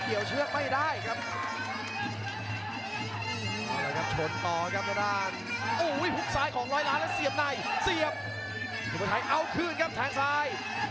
รอยลันนี้เป็นไฟเปิดเกมเขาใส่